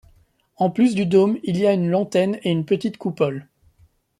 En plus du dôme, il y a une lantene et une petite coupole.